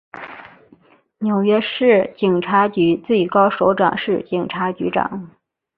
纽约市警察局最高首长是警察局长。